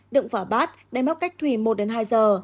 đựng vào bát để móc cách thủy một hai giờ